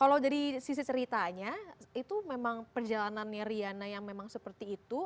kalau dari sisi ceritanya itu memang perjalanannya riana yang memang seperti itu